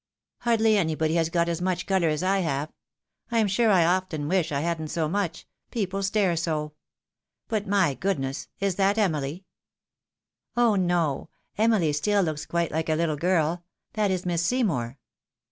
" Hardly anybody has got as much colour as I have ; I am sure I often wish I hadn't so much, people stare 80. But my goodness ! is that Emily ?"" Oh no ! Emily still looks quite like a little girl ; that is Miss Seymour."